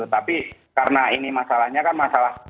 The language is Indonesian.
tapi karena ini masalahnya kan masalah